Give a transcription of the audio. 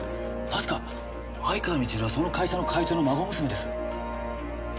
確か愛川みちるはその会社の会長の孫娘です。